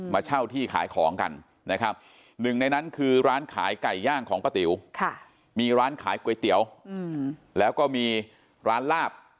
มาเช่าที่ขายของกันนะครับหนึ่งในนั้นคือร้านขายไก่ย่างของป้าติ๋วมีร้านขายก๋วยเตี๋ยวแล้วก็มีร้านลาบ